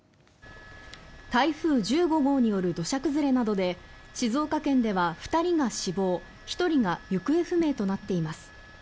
台風１５号による土砂崩れなどで静岡県では２人が死亡１人が行方不明となっています。